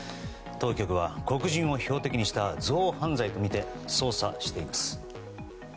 当局は黒人を標的にした憎悪犯罪とみて捜査しています。